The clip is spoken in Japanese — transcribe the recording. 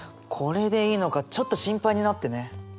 これでいいのかちょっと心配になってね。